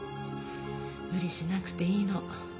無理しなくていいの。